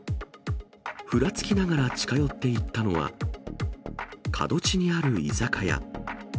ふらつきながら近寄っていったのは、角地にある居酒屋。